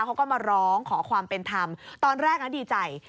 เขาก็มาร้องขอความเป็นธรรมตอนแรกนะดีใจ